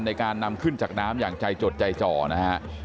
ในการนำขึ้นจากน้ำอย่างใจจดใจจ่อนะฮะ